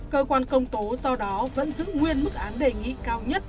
cơ quan công tố do đó vẫn giữ nguyên mức án đề nghị cao nhất